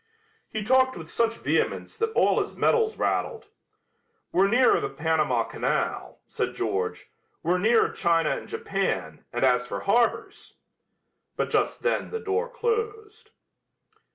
He talked with such vehemence that all his medals rattled. "We're nearer the Panama Canal," said George, "we're nearer China and Japan, and as for harbors " But just then the door closed.